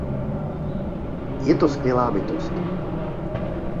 Je to skvělá bytost.